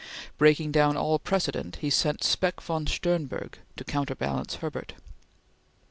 Breaking down all precedent, he sent Speck von Sternburg to counterbalance Herbert.